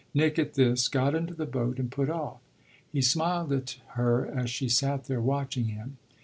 Nick, at this, got into the boat and put off; he smiled at her as she sat there watching him.